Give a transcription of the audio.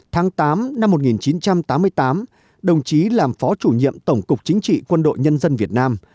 tháng tám năm một nghìn chín trăm tám mươi tám đồng chí làm phó chủ nhiệm tổng cục chính trị quân đội nhân dân việt nam